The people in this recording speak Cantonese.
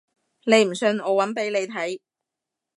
你唔信我搵俾你睇